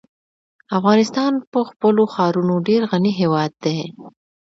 افغانستان په خپلو ښارونو ډېر غني هېواد دی.